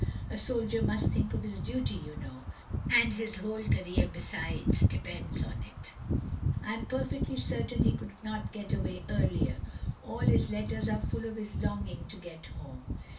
A soldier must think of his duty, you know; and his whole career, besides, depends on it. I am perfectly certain he could not get away earlier. All his letters are full of his longing to get home.